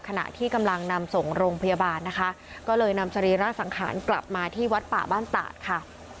ขณะที่กำลังนำส่งโรงพยาบาลนะคะก็เลยนำสรีระสังขารกลับมาที่วัดป่าบ้านตาดค่ะ